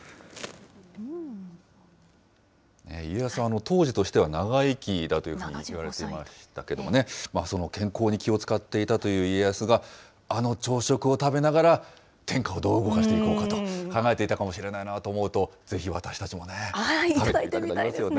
家康は当時としては長生きだというふうにいわれていましたけどね、その健康に気を使っていたという家康が、あの朝食を食べながら、天下をどう動かしていこうかと考えていたかもしれないなと思うと、ぜひ私たちもね、食べてみたくなりますよね。